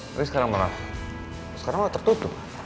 tapi sekarang malah sekarang malah tertutup